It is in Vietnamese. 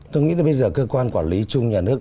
tôi nghĩ là bây giờ cơ quan quản lý chung nhà nước